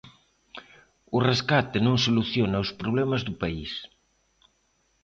O rescate non soluciona os problemas do país.